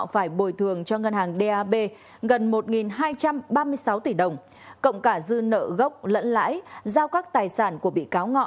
phải bồi thường cho ngân hàng dap gần một hai trăm ba mươi sáu tỷ đồng cộng cả dư nợ gốc lẫn lãi giao các tài sản của bị cáo ngọ